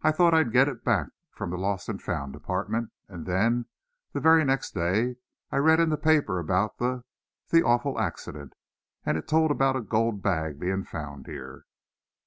I thought I'd get it back from the Lost and Found Department, and then, the very next day, I read in the paper about the the awful accident, and it told about a gold bag being found here."